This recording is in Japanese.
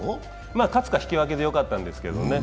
まあ、勝つか引き分けでよかったんですけどね。